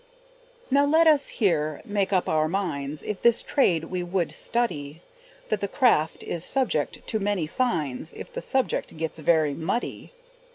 Now let us here make up our minds, If this trade we would study, That the craft is subject to many fines If the subject gets very muddy.